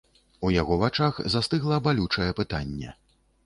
У яго вачах застыгла балючае пытанне.